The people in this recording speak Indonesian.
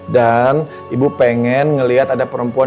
dan ibu pengen ngeliat ada perempuan